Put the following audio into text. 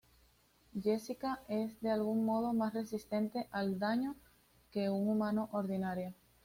Jessica es de algún modo más resistente al daño que un humano ordinario.